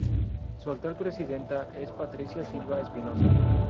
Su actual presidenta es Patricia Silva Espinosa.